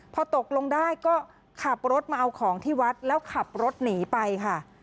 พอตกลงได้ก็ขับรถมาเอาของที่วัดแล้วขับรถหนีไปค่ะ